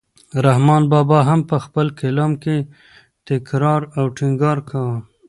رحمان بابا هم په خپل کلام کې تکرار او ټینګار کاوه.